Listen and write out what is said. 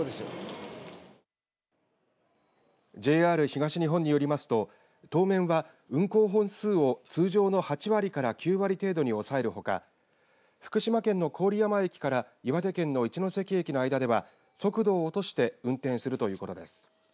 ＪＲ東日本によりますと当面は運行本数を通常の８割から９割程度に抑えるほか福島県の郡山駅から岩手県の一ノ関駅の間では速度を落として運転するということです。